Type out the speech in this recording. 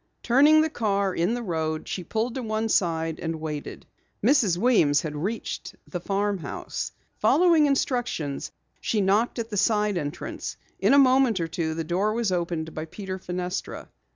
Turning the car in the road, she pulled to one side and waited. Mrs. Weems had reached the farmhouse. Following instructions, she knocked at the side entrance. In a moment or two the door was opened by Peter Fenestra.